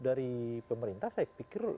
dari pemerintah saya pikir